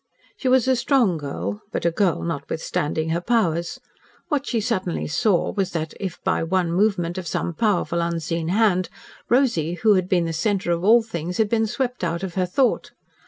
She was a strong girl, but a girl, notwithstanding her powers. What she suddenly saw was that, as if by one movement of some powerful unseen hand, Rosy, who had been the centre of all things, had been swept out of her thought.